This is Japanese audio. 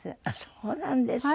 そうなんですか。